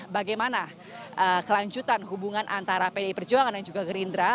bagaimana kelanjutan hubungan antara pdi perjuangan dan juga gerindra